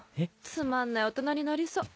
つまんない大人になりそう。